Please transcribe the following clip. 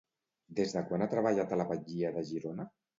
Des de quan ha treballat a la batllia de Girona?